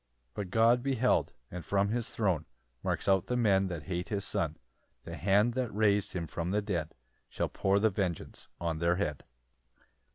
] 8 But God beheld; and from his throne Marks out the men that hate his Son; The hand that rais'd him from the dead Shall pour the vengeance on their head.